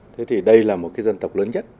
thế thì đây là một dân tộc lớn nhất